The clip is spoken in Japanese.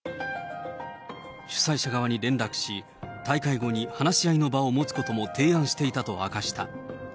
主催者側に連絡し、大会後に話し合いの場を持つことも提案していたと明かした。